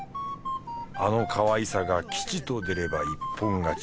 あのかわいさが吉と出れば一本勝ち。